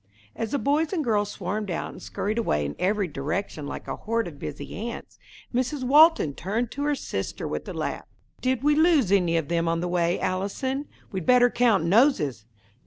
As the boys and girls swarmed out and scurried away in every direction like a horde of busy ants, Mrs. Walton turned to her sister with a laugh. "Did we lose any of them on the way, Allison? We'd better count noses."